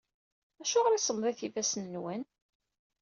Acuɣer i semmḍit yifassen-nwen?